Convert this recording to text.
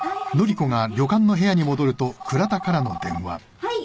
はい。